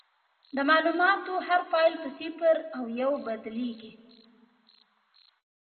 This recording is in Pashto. د معلوماتو هر فایل په صفر او یو بدلېږي.